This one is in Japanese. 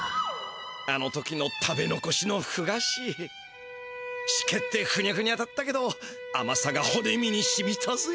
あの時の食べのこしのふ菓子しけってふにゃふにゃだったけどあまさがほねみにしみたぜ。